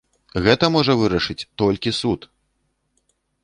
Гэта можа вырашыць толькі суд!